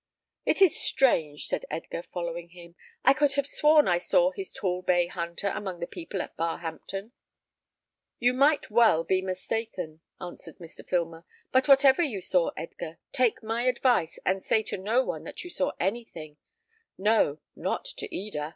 "It is strange," said Edgar, following him. "I could have sworn I saw his tall bay hunter among the people at Barhampton." "You might well be mistaken," answered Mr. Filmer; "but whatever you saw, Edgar, take my advice, and say to no one that you saw anything no, not to Eda."